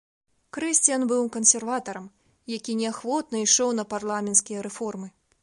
Крысціян быў кансерватарам, якія неахвотна ішоў на парламенцкія рэформы.